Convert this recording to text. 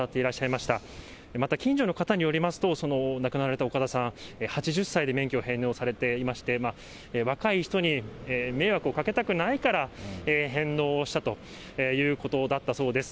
また近所の方によりますと、亡くなられた岡田さん、８０歳で免許を返納されていまして、若い人に迷惑をかけたくないから、返納をしたというようなことだったそうです。